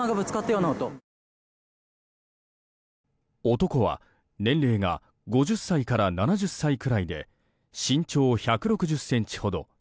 男は年齢が５０歳から７０歳くらいで身長１６０ｃｍほど。